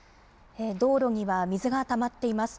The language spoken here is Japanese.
道路には水がたまっています。